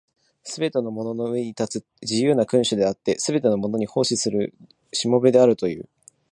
すべてのものの上に立つ自由な君主であって、すべてのものに奉仕する従僕であるという。